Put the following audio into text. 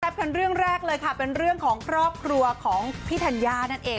กันเรื่องแรกเลยค่ะเป็นเรื่องของครอบครัวของพี่ธัญญานั่นเอง